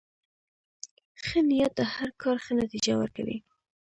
ښه نیت د هر کار ښه نتیجه ورکوي.